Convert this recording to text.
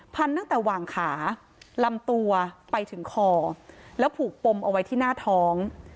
ตั้งแต่หว่างขาลำตัวไปถึงคอแล้วผูกปมเอาไว้ที่หน้าท้อง